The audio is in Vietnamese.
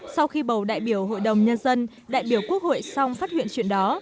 sau khi bầu đại biểu hội đồng nhân dân đại biểu quốc hội xong phát hiện chuyện đó